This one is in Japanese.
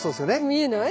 見えない？